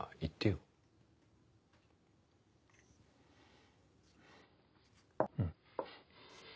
うん。